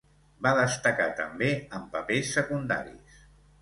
Va destacar també en papers secundaris.